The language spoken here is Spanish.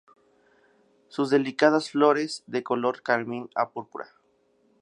Sus delicadas flores de color carmín a púrpura.